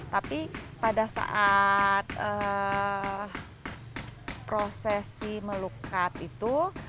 tapi pada saat prosesi melukat itu